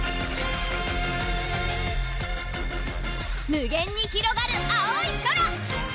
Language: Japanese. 無限にひろがる青い空！